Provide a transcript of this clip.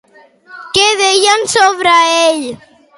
Què deien sobre ell?